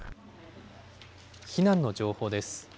避難の情報です。